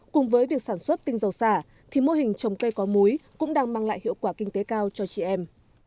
cùng với việc sản xuất tinh dầu xả thì mô hình trồng cây có múi cũng đang mang lại hiệu quả kinh tế cao cho chị em